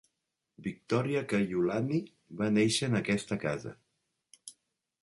Victoria Kaiulani va néixer en aquesta casa.